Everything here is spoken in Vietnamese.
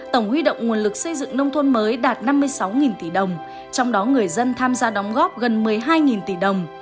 tổng huy động nguồn lực xây dựng nông thôn mới đạt năm mươi sáu tỷ đồng trong đó người dân tham gia đóng góp gần một mươi hai tỷ đồng